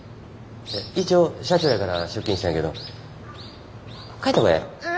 一応社長やから出勤したんやけど帰った方がええ？